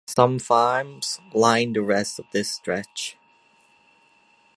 Some farms line the rest of this stretch.